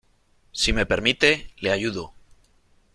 si me permite , le ayudo .